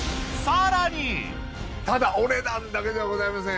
ただお値段だけではございません。